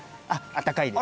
あったかいです。